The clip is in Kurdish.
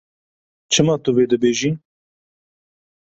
Çima tu vê dibêjî?